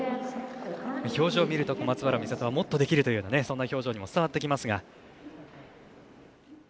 表情を見ると小松原美里はもっとできるというそんな表情にも伝わってきますが。